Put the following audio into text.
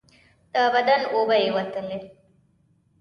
د بدن اوبه یې ووتلې.